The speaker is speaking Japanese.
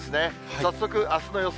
早速、あすの予想